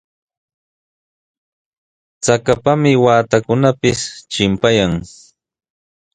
Chakapami waatakunapis chimpayan.